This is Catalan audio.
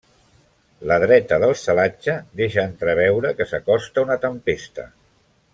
La dreta del celatge deixa entreveure que s’acosta una tempesta.